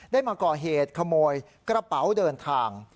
ได้มาก่อเหตุขโมยกระเป๋าเดินทาง